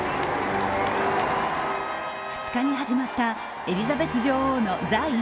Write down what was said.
２日に始まったエリザベス女王の在位